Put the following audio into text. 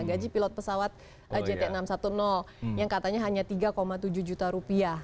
gaji pilot pesawat jt enam ratus sepuluh yang katanya hanya tiga tujuh juta rupiah